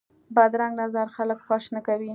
بدرنګه نظر خلک خوښ نه کوي